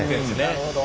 なるほど。